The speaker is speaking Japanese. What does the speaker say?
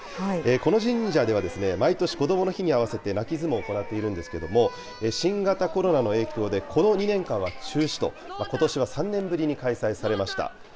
この神社では毎年こどもの日に合わせて、泣き相撲を行っているんですけれども、新型コロナの影響で、この２年間は中止と、ことしは３年ぶりに開催されました。